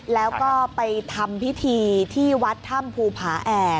แล้วก็ไปทำพิธีที่วัดถ้ำภูผาแอก